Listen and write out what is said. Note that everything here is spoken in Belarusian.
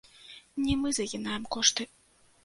Не мы загінаем кошты.